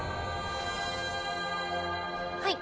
はい。